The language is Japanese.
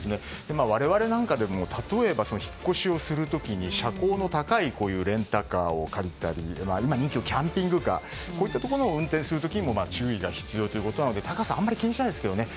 我々なんかでも例えば引っ越しをする時に車高の高いレンタカーを借りたり今、人気のキャンピングカーを運転する時も注意が必要ということなので高さあまり気にしないですけどね。